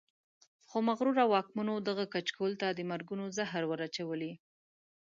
خو مغرورو واکمنو دغه کچکول ته د مرګونو زهر ور اچولي.